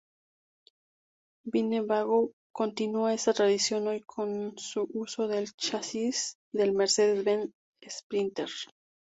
Winnebago continúa esta tradición hoy con su uso del chasis del Mercedes-Benz Sprinter.